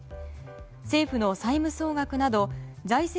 政府の債務総額など財政